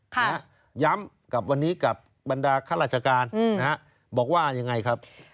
ย้ำกับวันนี้กับบรรดาข้าราชการนะฮะบอกว่ายังไงครับ